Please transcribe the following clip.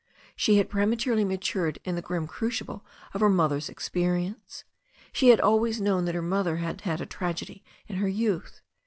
She had prematurely matured in the grim crucible of her mother's experience. She had always known that her mother had had a tragedy in her youth.